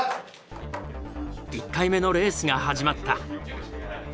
１回目のレースが始まった。